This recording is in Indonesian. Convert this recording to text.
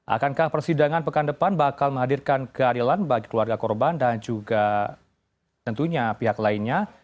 akankah persidangan pekan depan bakal menghadirkan keadilan bagi keluarga korban dan juga tentunya pihak lainnya